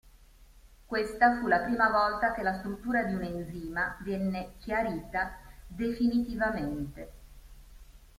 Questa fu la prima volta che la struttura di un enzima venne chiarita definitivamente.